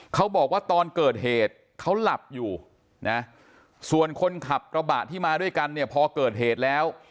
เขาบอกว่าตอนเกิดเหตุเขาหลับอยู่นะส่วนคนขับกระบะที่มาด้วยกันเนี่ยพอเกิดเหตุแล้ว